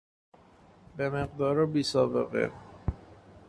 به مقدار بی سابقه